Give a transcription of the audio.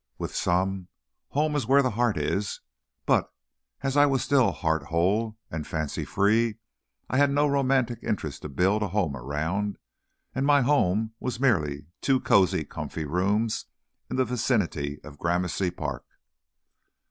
With some, home is where the heart is, but, as I was still heart whole and fancy free, I had no romantic interest to build a home around, and my home was merely two cozy, comfy rooms in the vicinity of Gramercy Park.